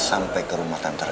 sampai ke rumah tanpa